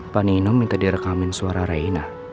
pak nino minta direkamin suara raina